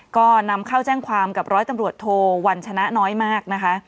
ก็นำเข้าแจ้งความกับร้อยตำรวจโทวัญชนะน้อยมากนะคะ